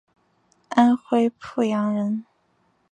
安徽阜阳人。